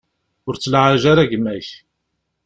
Ur ttlaɛaj ara gma-k.